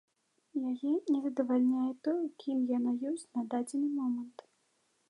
Яе не задавальняе тое, кім яна ёсць на дадзены момант.